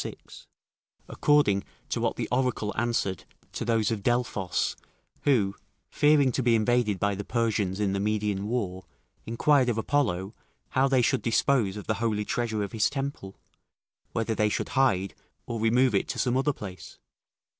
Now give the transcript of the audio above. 6.] according to what the oracle answered to those of Delphos who, fearing to be invaded by the Persians in the Median war, inquired of Apollo, how they should dispose of the holy treasure of his temple; whether they should hide, or remove it to some other place?